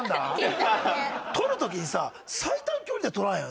取る時にさ最短距離で取らないよね？